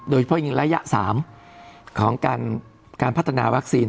โดยเฉพาะอยู่ในระยะ๓เป็นการพัฒนาวัคซีน